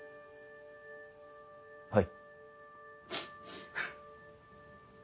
はい。